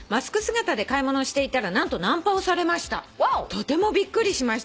「とてもびっくりしました」